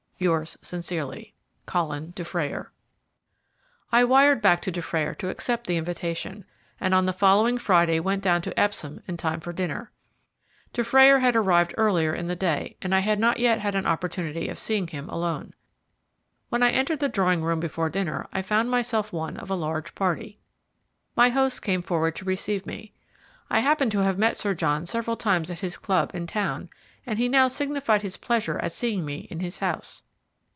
"Yours sincerely. "COLIN DUFRAYER." I wired back to Dufrayer to accept the invitation, and on the following Friday went down to Epsom in time for dinner. Dufrayer had arrived earlier in the day, and I had not yet had an opportunity of seeing him alone. When I entered the drawing room before dinner, I found myself one of a large party. My host came forward to receive me. I happened to have met Sir John several times at his club in town, and he now signified his pleasure at seeing me in his house.